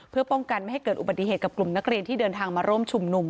เพื่อป้องกันไม่ให้เกิดอุบัติเหตุกับกลุ่มนักเรียนที่เดินทางมาร่วมชุมนุม